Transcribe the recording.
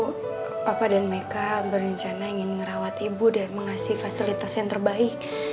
ibu papa dan mereka berencana ingin merawat ibu dan mengasih fasilitas yang terbaik